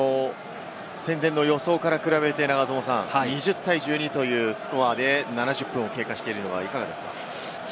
戦前の予想から比べて、永友さん、２０対１２というスコアで７０分を経過しているのはいかがですか？